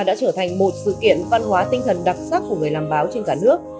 đã trở thành một sự kiện văn hóa tinh thần đặc sắc của người làm báo trên cả nước